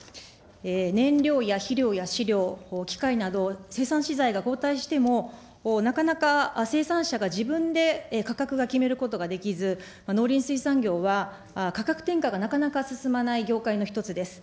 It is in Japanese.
燃料や肥料や飼料、機械など、生産資材が高騰しても、なかなか生産者が自分で価格が決めることができず、農林水産業は、価格転嫁がなかなか進まない業界の１つです。